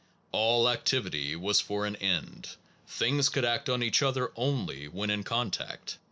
All activity was for an end. Things could act on each other only when in contact.